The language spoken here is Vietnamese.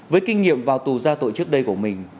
với kinh nghiệm vào tù ra tội trước đây của mình